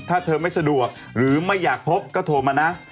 ถ้าเธอไม่สะดวกหรือไม่อยากพบก็โทรมานะ